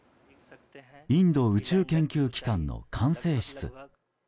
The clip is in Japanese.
インド宇宙研究機関の管制室。